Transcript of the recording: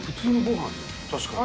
確かに。